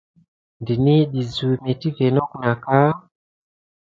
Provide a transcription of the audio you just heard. Ndəni dezu métivə not nako nat ka.